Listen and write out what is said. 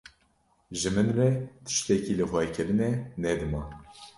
Ji min re tiştekî lixwekirinê ne dima.